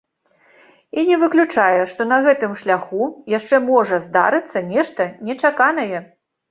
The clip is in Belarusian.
І не выключае, што на гэтым шляху яшчэ можа здарыцца нешта нечаканае.